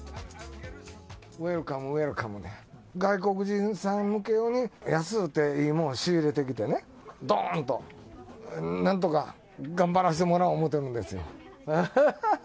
ウェルカム、ウェルカムで、外国人さん向け用に、安くていいもの仕入れてきてね、どーんと、なんとか頑張らせてもらおうと思ってるんですよ。